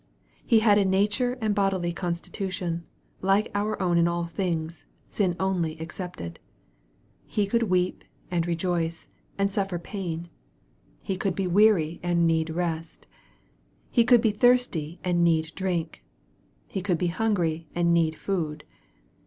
He had a nature and bodily constitution, like our own in all things, sin only excepted. He could weep, and rejoice, and suffer pain. He could be weary and need rest. He could be thirsty, and need drink. He could be hungry, and need food.